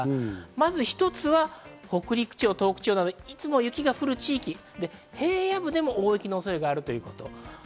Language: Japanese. １つは北陸地方、東北地方などいつも雪が降る地域、平野部でも大雪の恐れがあるということ。